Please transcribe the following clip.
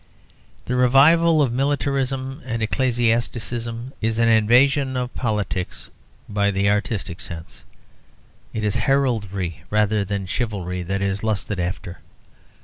The revival of militarism and ecclesiasticism is an invasion of politics by the artistic sense; it is heraldry rather than chivalry that is lusted after.